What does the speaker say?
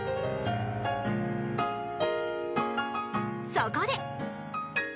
［そこで］